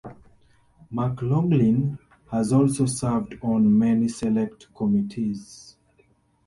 McLoughlin has also served on many select committees.